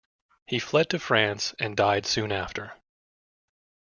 He fled to France and died soon after.